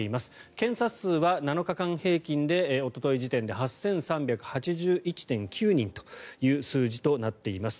検査数は７日間平均でおととい時点で８３８１．９人という数字になっています。